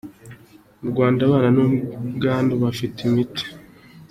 Mu Rwanda ababana n’ubwandu bafata imiti